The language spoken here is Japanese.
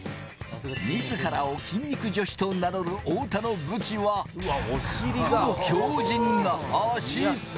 自らを筋肉女子と名乗る太田の武器は、この強靭な脚。